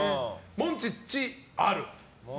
モンチッチ、ある？